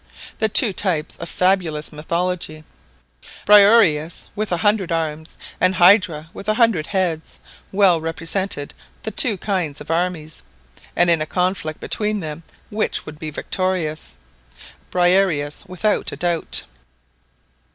The two types of fabulous mythology, Briareus with a hundred arms and Hydra with a hundred heads, well represent the two kinds of armies; and in a conflict between them, which would be victorious? Briareus without a doubt